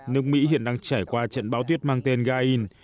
nước mỹ hiện đang trải qua trận báo tuyết mang tên gain